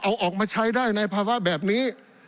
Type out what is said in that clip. เอาออกมาใช้ได้ในภาวะแบบนี้